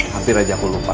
hampir aja aku lupa